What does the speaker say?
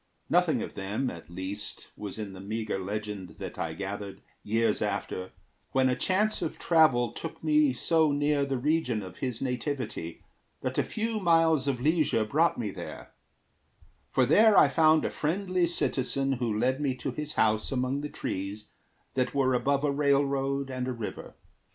Nothing of them, at least, Was in the meagre legend that I gathered Years after, when a chance of travel took me So near the region of his nativity That a few miles of leisure brought me there; For there I found a friendly citizen Who led me to his house among the trees That were above a railroad and a river.